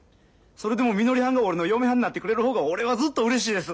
それでもみのりはんが俺の嫁はんになってくれる方が俺はずっとうれしいです。